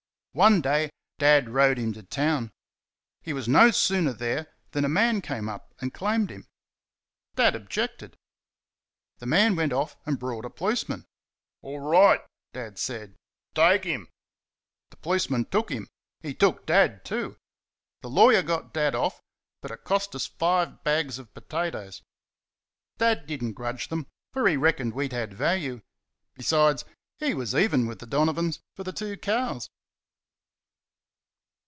One day Dad rode him to town. He was no sooner there than a man came up and claimed him. Dad objected. The man went off and brought a policeman. "Orright" Dad said "TAKE him." The policeman took him. He took Dad too. The lawyer got Dad off, but it cost us five bags of potatoes. Dad did n't grudge them, for he reckoned we'd had value. Besides, he was even with the Donovans for the two cows.